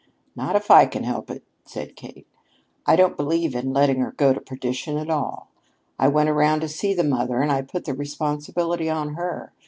"Not if I can help it," said Kate. "I don't believe in letting her go to perdition at all. I went around to see the mother and I put the responsibility on her.